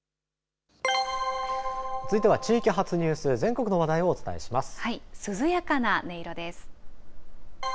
続いては地域発ニュース全国の話題をお伝えします。